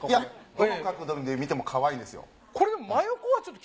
どの角度で見てもかわいいんですよ。